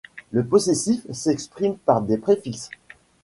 Le possessif s'exprime par des préfixes.